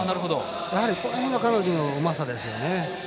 やはり、この辺が彼女のうまさですよね。